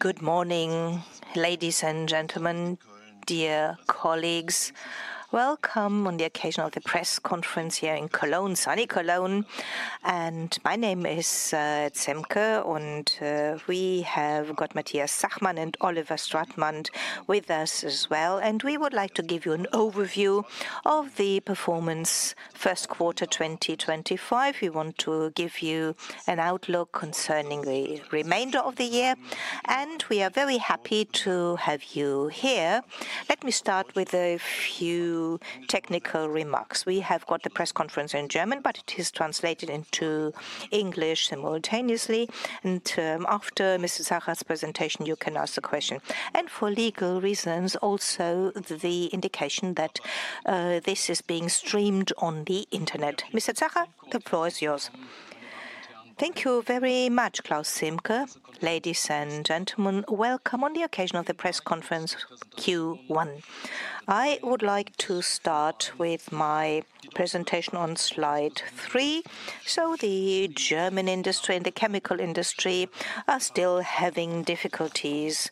Good morning, ladies and gentlemen, dear colleagues. Welcome on the occasion of the press conference here in Cologne, sunny Cologne. My name is Zemke, and we have got Matthias Zachert and Oliver Stratmann with us as well. We would like to give you an overview of the performance first quarter 2025. We want to give you an outlook concerning the remainder of the year. We are very happy to have you here. Let me start with a few technical remarks. We have got the press conference in German, but it is translated into English simultaneously. After Mr. Zachert's presentation, you can ask the question. For legal reasons, also the indication that this is being streamed on the internet. Mr. Zachert, the floor is yours. Thank you very much, Claus Zemke. Ladies and gentlemen, welcome on the occasion of the press conference Q1. I would like to start with my presentation on slide three. The German industry and the chemical industry are still having difficulties,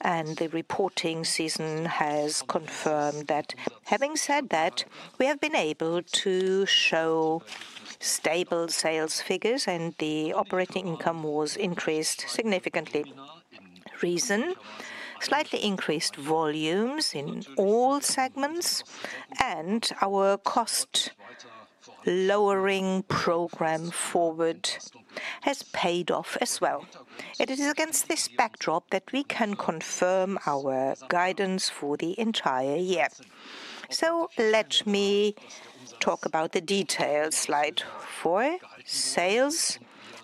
and the reporting season has confirmed that. Having said that, we have been able to show stable sales figures, and the operating income was increased significantly. Reason, slightly increased volumes in all segments, and our cost-lowering program, FORWARD!, has paid off as well. It is against this backdrop that we can confirm our guidance for the entire year. Let me talk about the details. Slide four. Sales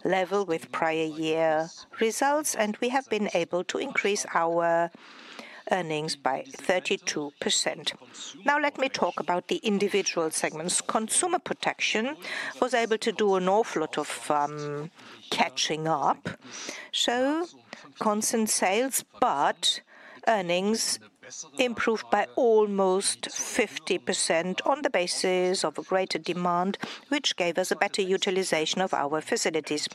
level with prior year results, and we have been able to increase our earnings by 32%. Now let me talk about the individual segments. Consumer Protection was able to do an awful lot of catching up. Constant sales, but earnings improved by almost 50% on the basis of a greater demand, which gave us a better utilization of our facilities.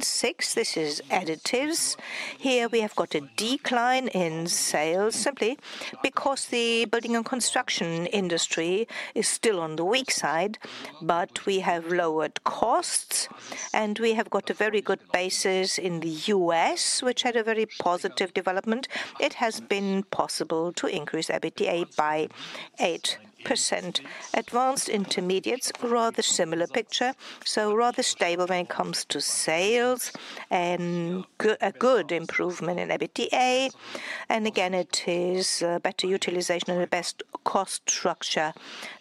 Six, this is additives. Here we have got a decline in sales, simply because the building and construction industry is still on the weak side, but we have lowered costs, and we have got a very good basis in the U.S., which had a very positive development. It has been possible to increase EBITDA by 8%. Advanced Intermediates, rather similar picture. Rather stable when it comes to sales, and a good improvement in EBITDA. Again, it is better utilization and the best cost structure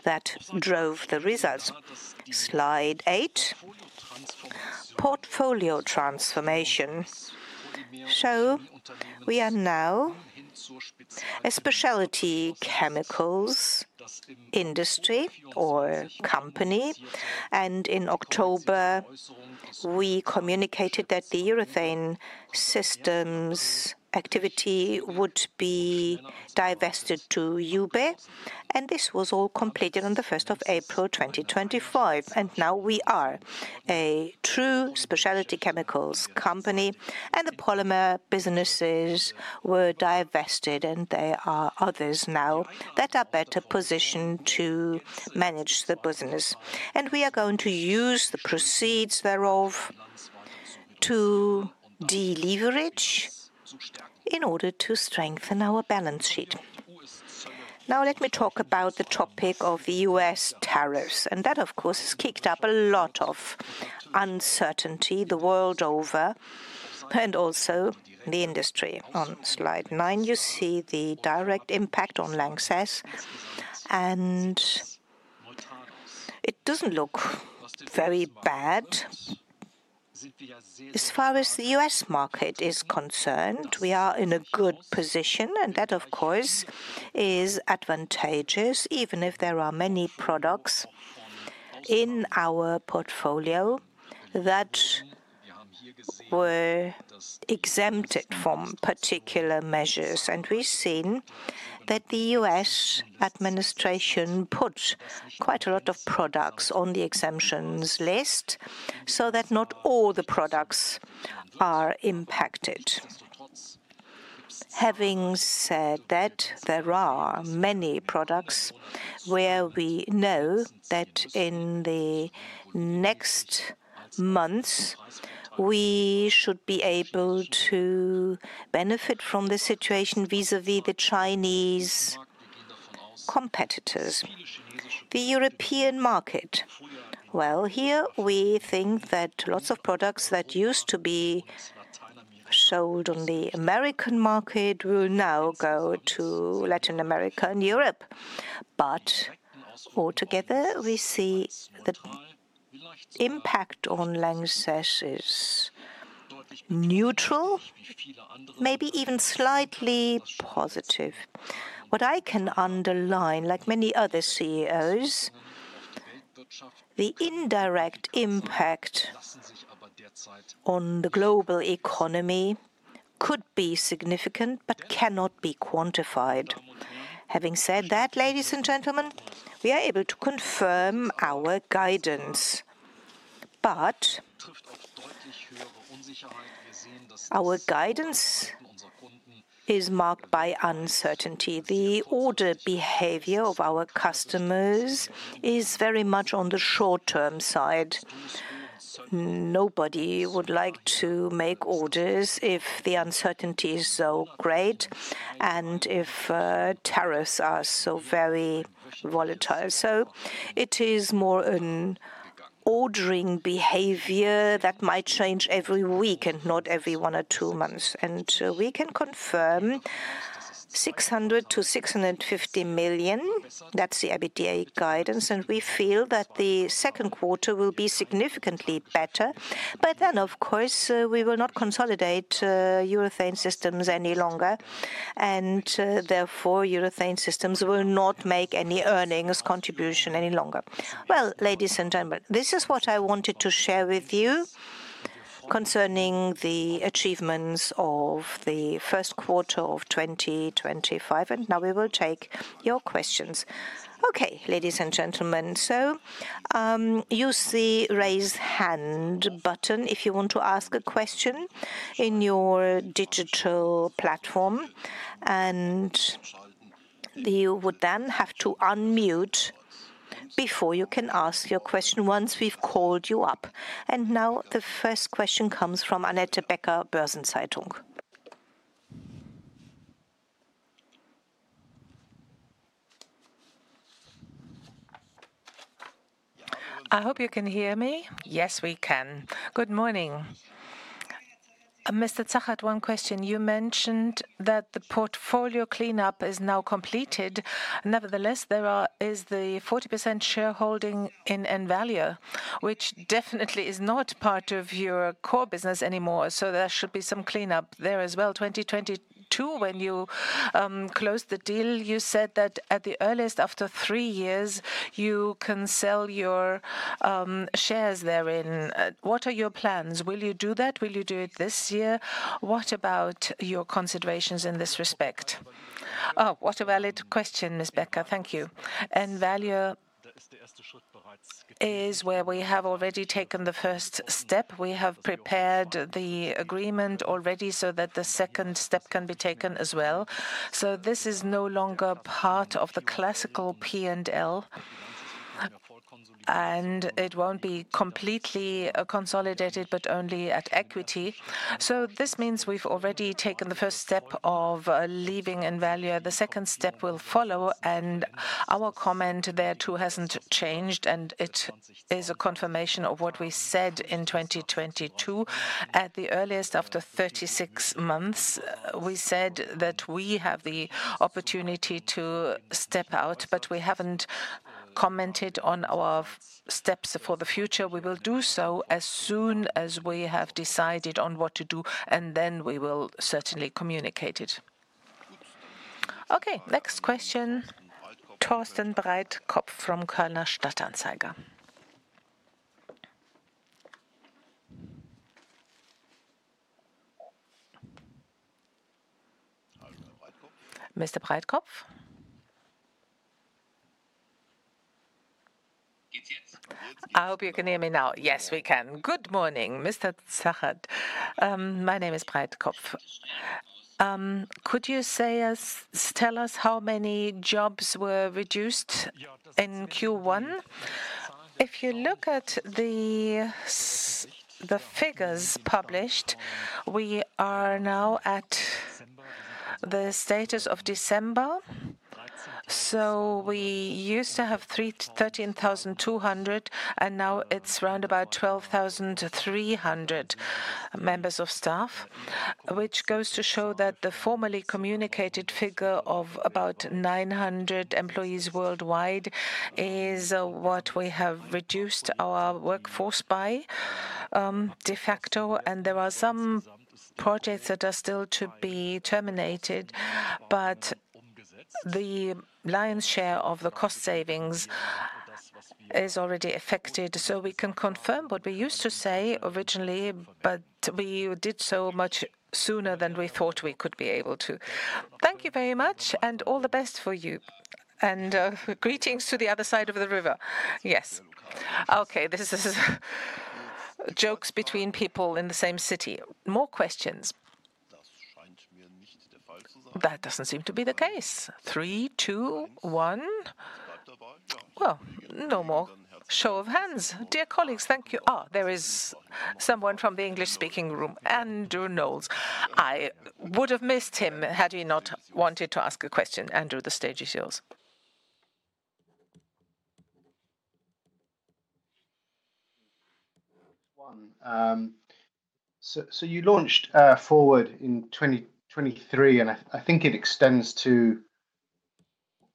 that drove the results. Slide eight. Portfolio transformation. We are now a specialty chemicals industry or company, and in October we communicated that the Urethane Systems activity would be divested to UBE, and this was all completed on the 1st of April 2025. Now we are a true specialty chemicals company, and the polymer businesses were divested, and there are others now that are better positioned to manage the business. We are going to use the proceeds thereof to deleverage in order to strengthen our balance sheet. Let me talk about the topic of U.S. tariffs, and that of course has kicked up a lot of uncertainty the world over, and also the industry. On slide nine, you see the direct impact on LANXESS, and it does not look very bad. As far as the U.S. market is concerned, we are in a good position, and that of course is advantageous, even if there are many products in our portfolio that were exempted from particular measures. We have seen that the U.S. administration put quite a lot of products on the exemptions list so that not all the products are impacted. Having said that, there are many products where we know that in the next months we should be able to benefit from the situation vis-à-vis the Chinese competitors. The European market, here we think that lots of products that used to be sold on the American market will now go to Latin America and Europe. Altogether, we see the impact on LANXESS is neutral, maybe even slightly positive. What I can underline, like many other CEOs, the indirect impact on the global economy could be significant but cannot be quantified. Having said that, ladies and gentlemen, we are able to confirm our guidance. Our guidance is marked by uncertainty. The order behavior of our customers is very much on the short-term side. Nobody would like to make orders if the uncertainty is so great and if tariffs are so very volatile. It is more an ordering behavior that might change every week and not every one or two months. We can confirm 600 million-650 million, that's the EBITDA guidance, and we feel that the second quarter will be significantly better. Of course we will not consolidate Urethane Systems any longer, and therefore Urethane Systems will not make any earnings contribution any longer. Ladies and gentlemen, this is what I wanted to share with you concerning the achievements of the first quarter of 2025, and now we will take your questions. Okay, ladies and gentlemen, use the raise hand button if you want to ask a question in your digital platform, and you would then have to unmute before you can ask your question once we have called you up. Now the first question comes from Annette Becker, Börsen-Zeitung. I hope you can hear me. Yes, we can. Good morning. Mr. Zachert, one question. You mentioned that the portfolio cleanup is now completed. Nevertheless, there is the 40% shareholding in Envalior, which definitely is not part of your core business anymore. So there should be some cleanup there as well. In 2022, when you closed the deal, you said that at the earliest after three years you can sell your shares therein. What are your plans? Will you do that? Will you do it this year? What about your considerations in this respect? Oh, what a valid question, Ms. Becker. Thank you. Envalior is where we have already taken the first step. We have prepared the agreement already so that the second step can be taken as well. This is no longer part of the classical P&L, and it will not be completely consolidated, but only at equity. This means we have already taken the first step of leaving Envalior. The second step will follow, and our comment there too has not changed, and it is a confirmation of what we said in 2022. At the earliest after 36 months, we said that we have the opportunity to step out, but we have not commented on our steps for the future. We will do so as soon as we have decided on what to do, and then we will certainly communicate it. Okay, next question, Thorsten Breitkopf from Kölner Stadt-Anzeiger. Mr. Breitkopf? I hope you can hear me now. Yes, we can. Good morning, Mr. Zachert. My name is Breitkopf. Could you tell us how many jobs were reduced in Q1? If you look at the figures published, we are now at the status of December. We used to have 13,200, and now it is round about 12,300 members of staff, which goes to show that the formally communicated figure of about 900 employees worldwide is what we have reduced our workforce by de facto. There are some projects that are still to be terminated, but the lion's share of the cost savings is already affected. We can confirm what we used to say originally, but we did so much sooner than we thought we could be able to. Thank you very much, and all the best for you. Greetings to the other side of the river. Yes. Okay, this is jokes between people in the same city. More questions? That does not seem to be the case. Three, two, one. No more. Show of hands. Dear colleagues, thank you. Oh, there is someone from the English-speaking room, Andrew Knowles. I would have missed him had he not wanted to ask a question. Andrew, the stage is yours. You launched FORWARD! in 2023, and I think it extends to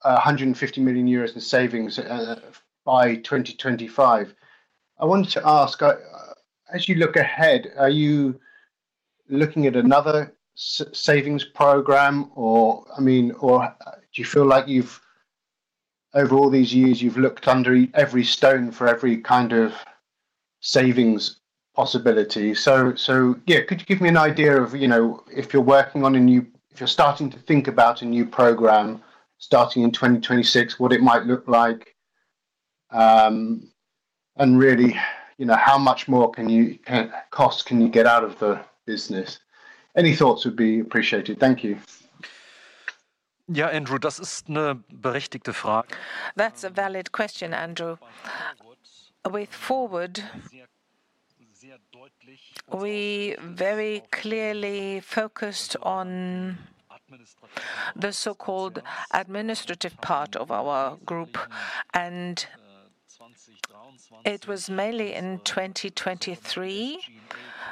150 million euros in savings by 2025. I wanted to ask, as you look ahead, are you looking at another savings program, or do you feel like over all these years you've looked under every stone for every kind of savings possibility? Could you give me an idea of if you're working on a new, if you're starting to think about a new program starting in 2026, what it might look like, and really how much more costs can you get out of the business? Any thoughts would be appreciated. Thank you. Ja, Andrew, das ist eine berechtigte Frage. That's a valid question, Andrew. With FORWARD!, we very clearly focused on the so-called administrative part of our group, and it was mainly in 2023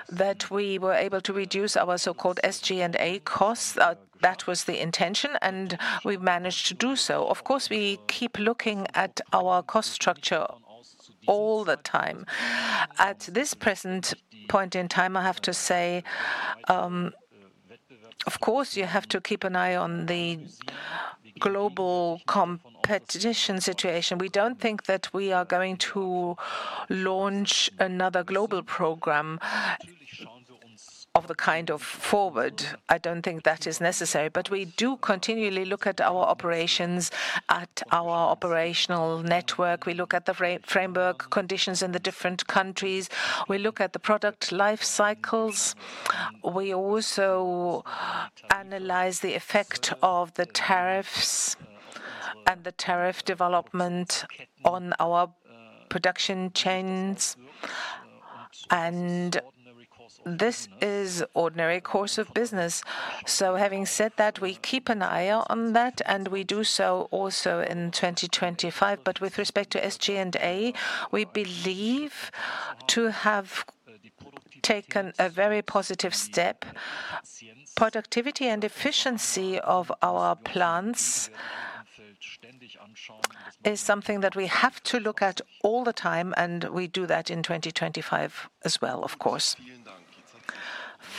that we were able to reduce our so-called SG&A costs. That was the intention, and we managed to do so. Of course, we keep looking at our cost structure all the time. At this present point in time, I have to say, of course, you have to keep an eye on the global competition situation. We do not think that we are going to launch another global program of the kind of FORWARD! I do not think that is necessary, but we do continually look at our operations, at our operational network. We look at the framework conditions in the different countries. We look at the product life cycles. We also analyze the effect of the tariffs and the tariff development on our production chains. This is an ordinary course of business. Having said that, we keep an eye on that, and we do so also in 2025. With respect to SG&A, we believe to have taken a very positive step. Productivity and efficiency of our plants is something that we have to look at all the time, and we do that in 2025 as well, of course.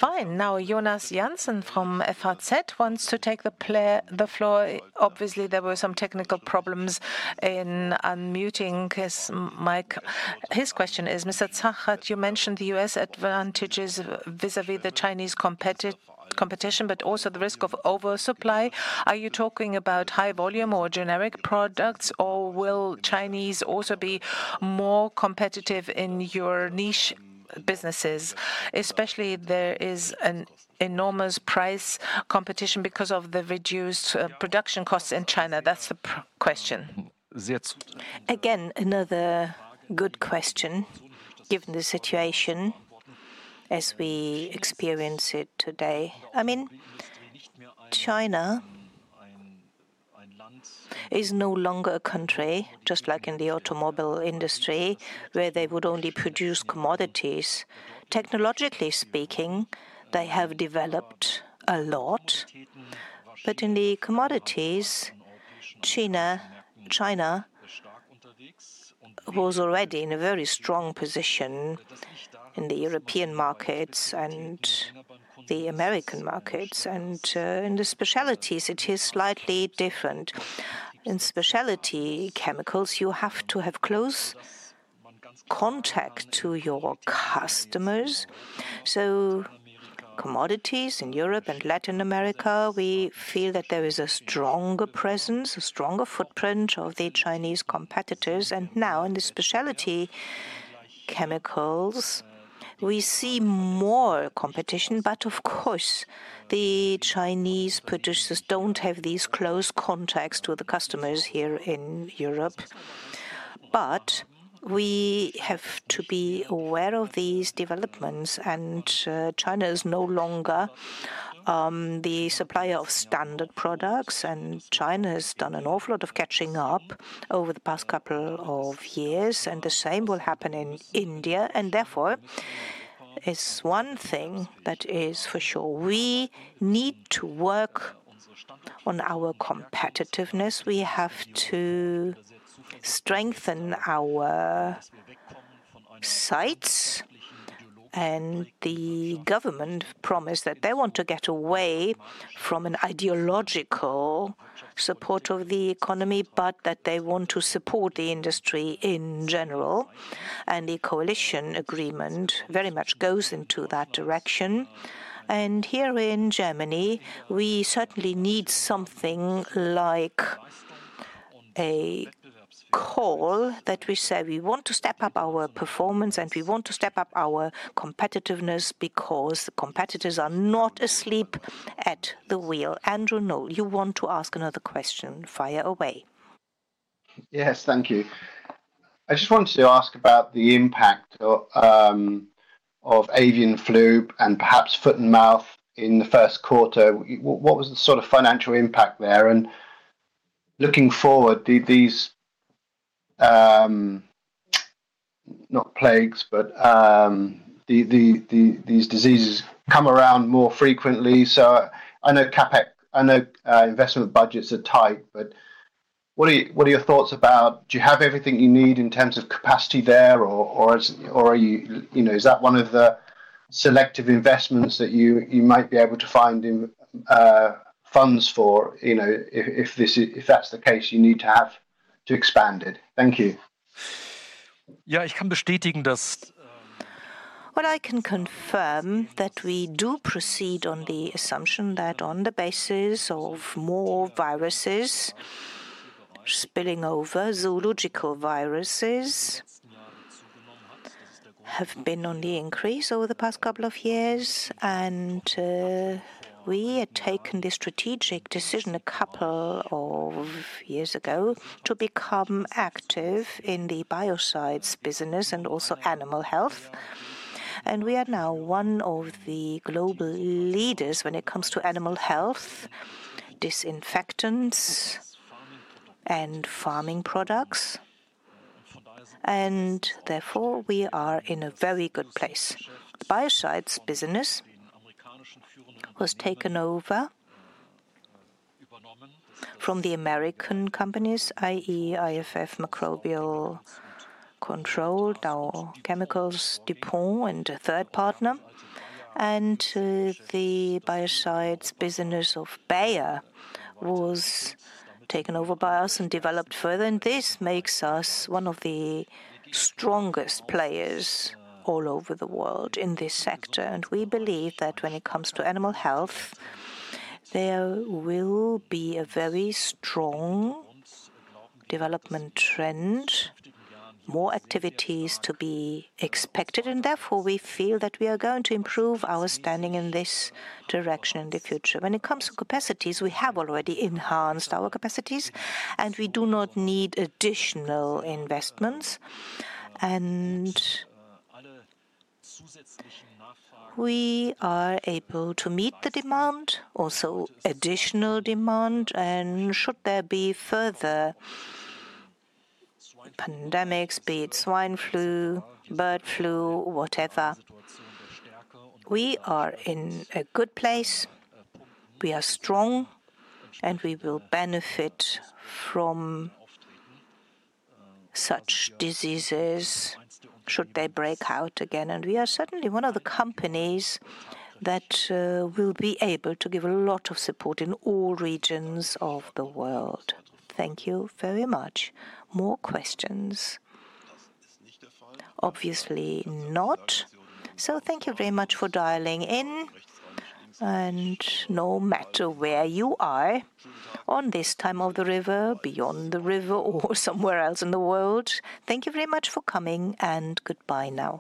Fine. Now, Jonas Jansen from FHZ wants to take the floor. Obviously, there were some technical problems in unmuting his mic. His question is, Mr. Zachert, you mentioned the U.S. advantages vis-à-vis the Chinese competition, but also the risk of oversupply. Are you talking about high volume or generic products, or will Chinese also be more competitive in your niche businesses? Especially there is an enormous price competition because of the reduced production costs in China. That is the question. Again, another good question given the situation as we experience it today. I mean, China is no longer a country, just like in the automobile industry, where they would only produce commodities. Technologically speaking, they have developed a lot, but in the commodities, China was already in a very strong position in the European markets and the American markets. In the specialties, it is slightly different. In specialty chemicals, you have to have close contact to your customers. Commodities in Europe and Latin America, we feel that there is a stronger presence, a stronger footprint of the Chinese competitors. Now in the specialty chemicals, we see more competition, but of course, the Chinese producers do not have these close contacts with the customers here in Europe. We have to be aware of these developments, and China is no longer the supplier of standard products, and China has done an awful lot of catching up over the past couple of years, and the same will happen in India. Therefore, it is one thing that is for sure. We need to work on our competitiveness. We have to strengthen our sites, and the government promised that they want to get away from an ideological support of the economy, but that they want to support the industry in general. The coalition agreement very much goes into that direction. Here in Germany, we certainly need something like a call that we say we want to step up our performance and we want to step up our competitiveness because the competitors are not asleep at the wheel. Andrew Knowles, you want to ask another question, fire away. Yes, thank you. I just wanted to ask about the impact of avian flu and perhaps foot and mouth in the first quarter. What was the sort of financial impact there? Looking forward, these not plagues, but these diseases come around more frequently. I know CapEx, I know investment budgets are tight, but what are your thoughts about, do you have everything you need in terms of capacity there, or is that one of the selective investments that you might be able to find funds for? If that's the case, you need to have to expand it. Thank you. Ja, ich kann bestätigen, dass. I can confirm that we do proceed on the assumption that on the basis of more viruses spilling over, zoological viruses have been on the increase over the past couple of years, and we had taken the strategic decision a couple of years ago to become active in the biocides business and also animal health. We are now one of the global leaders when it comes to animal health, disinfectants, and farming products. Therefore, we are in a very good place. The biocides business was taken over from the American companies, i.e., IFF microbial control, Dow Chemicals, DuPont, and a third partner. The biocides business of Bayer was taken over by us and developed further. This makes us one of the strongest players all over the world in this sector. We believe that when it comes to animal health, there will be a very strong development trend, more activities to be expected. Therefore, we feel that we are going to improve our standing in this direction in the future. When it comes to capacities, we have already enhanced our capacities, and we do not need additional investments. We are able to meet the demand, also additional demand. Should there be further pandemics, be it swine flu, bird flu, whatever, we are in a good place. We are strong, and we will benefit from such diseases should they break out again. We are certainly one of the companies that will be able to give a lot of support in all regions of the world. Thank you very much. More questions? Obviously not. Thank you very much for dialing in. No matter where you are on this time of the river, beyond the river, or somewhere else in the world, thank you very much for coming, and goodbye now.